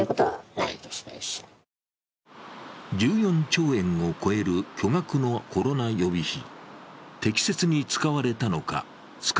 １４兆円を超える巨額のコロナ予備費。